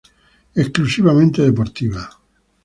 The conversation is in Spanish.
Exclusivamente deportiva.